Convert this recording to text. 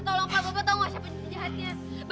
tolong pak bapak tahu nggak siapa yang ngejahatnya